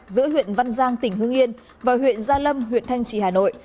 giữa huyện văn giang tỉnh hương yên và huyện gia lâm huyện thanh trị hà nội